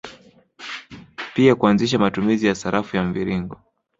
Pia kuanzisha matumizi ya sarafu ya mviringo